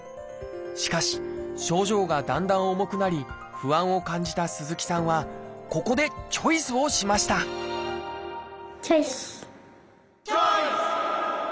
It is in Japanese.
しかし症状がだんだん重くなり不安を感じた鈴木さんはここでチョイスをしましたチョイス！